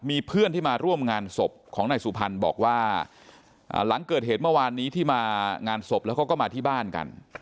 มีเพื่อนที่มาร่วมงานศพของนายสุพรรณบอกว่าหลังเกิดเหตุเมื่อวานนี้ที่มางานศพแล้วเขาก็มาที่บ้านกัน